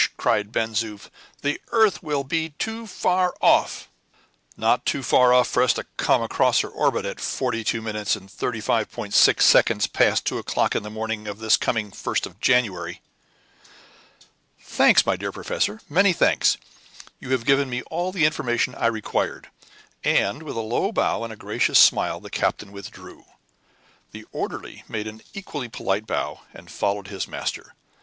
cried Ben Zoof. "The earth will be too far off!" "Not too far off for us to come across her orbit at 42 minutes and 35.6 seconds past two o'clock on the morning of this coming 1st of January." "Thanks, my dear professor many thanks. You have given me all the information I required;" and, with a low bow and a gracious smile, the captain withdrew. The orderly made an equally polite bow, and followed his master.